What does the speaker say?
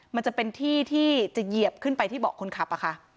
มันจะเป็นที่ที่จะเหยียบขึ้นไปที่เบาะคนขับ